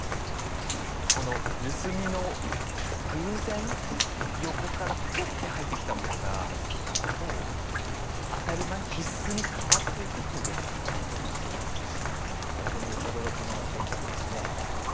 この盗みの偶然横からピュッて入ってきたものがもう当たり前必須に変わっていくっていう現象ってほんと面白いですね。